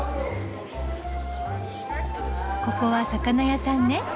ここは魚屋さんね。